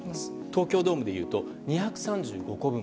東京ドームでいうと２３５個分。